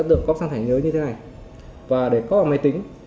đối tượng cóp sang thẻ nhớ như thế này và để cóp vào máy tính